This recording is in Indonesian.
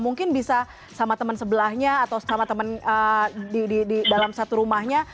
mungkin bisa sama teman sebelahnya atau sama teman di dalam satu rumahnya